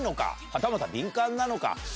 はたまた敏感なのか？